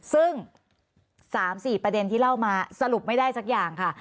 ซึ่ง๓๔ประเด็นที่เล่ามาสรุปไม่ได้สักอย่างค่ะ